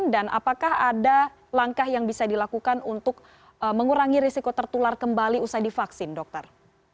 dan apakah ada langkah yang bisa dilakukan untuk mengurangi risiko tertular kembali usai divaksin dokter